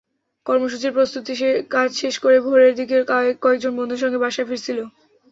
কর্মসূচির প্রস্তুতির কাজ শেষ করে ভোরের দিকে কয়েকজন বন্ধুর সঙ্গে বাসায় ফিরছিল।